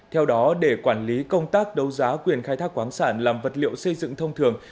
theo đó để quản lý công tác đấu giá quyền khai thác quán sản làm vật liệu xây dựng thông thường